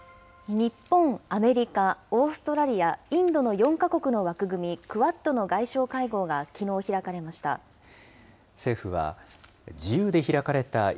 日本、アメリカ、オーストラリア、インドの４か国の枠組み、クアッドの外相会合が、きのう開かれました。